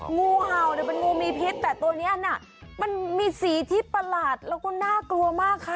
งูเห่าเนี่ยเป็นงูมีพิษแต่ตัวนี้น่ะมันมีสีที่ประหลาดแล้วก็น่ากลัวมากค่ะ